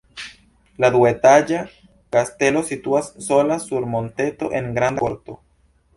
La duetaĝa kastelo situas sola sur monteto en granda korto.